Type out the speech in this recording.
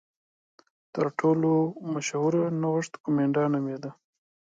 تر ټولو مشهور نوښت کومېنډا نومېده.